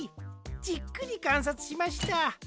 じっくりかんさつしました。